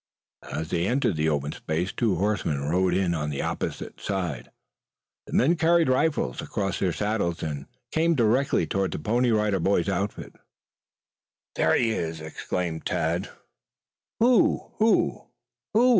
As they entered the open space two horsemen rode in on the opposite side. The men carried rifles across their saddles, and came directly toward the Pony Rider Boys' outfit. "There he is!" exclaimed Tad. "Who who who?"